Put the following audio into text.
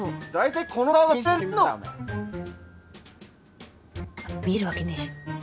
いや見えるわけねえし。